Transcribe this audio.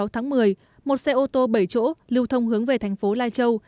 hai mươi sáu tháng một mươi một xe ô tô bảy chỗ lưu thông hướng về tp lai châu